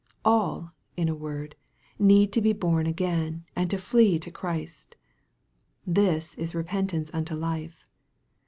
All, in a word, need to be born again and to flee to Christ. This is repentance unto life.